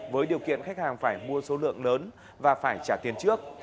với điều kiện khách hàng phải mua số lượng lớn và phải trả tiền trước